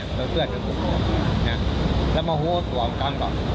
แล้วเพื่อนมันปลูกหังแล้วมะโหตัวมันตั้งต่อ